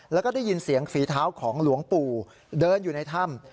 แล้วก็ได้ยินเสียงฝีเท้าของหลวงปู่เดินอยู่ในถ้ำ